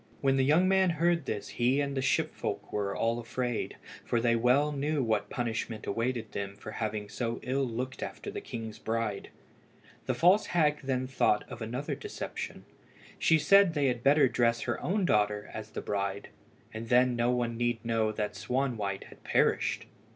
When the young man heard this he and all the ship folk were afraid, for they well knew what punishment awaited them for having so ill looked after the king's bride. The false hag then thought of another deception. She said they had better dress her own daughter as the bride, and then no one need know that Swanwhite had perished.